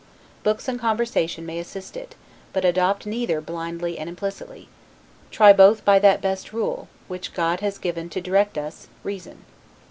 Books and conversation may assist it; but adopt neither blindly and implicitly; try both by that best rule, which God has given to direct us, reason.